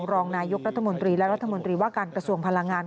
รองนายกรัฐมนตรีและรัฐมนตรีว่าการกระทรวงพลังงาน